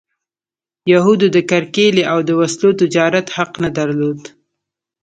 یهودو د کرکیلې او د وسلو تجارت حق نه درلود.